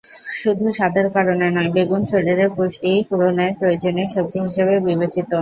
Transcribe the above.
শুধু স্বাদের কারণে নয়, বেগুন শরীরের পুষ্টি পূরণের প্রয়োজনীয় সবজি হিসেবে বিবেচিত।